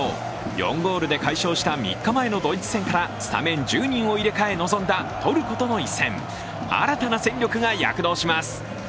４ゴールで快勝した３日前のドイツ戦からスタメン１０人を入れ替え臨んだトルコとの一戦新たな戦力が躍動します。